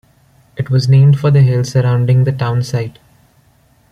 It was named for the hills surrounding the town site.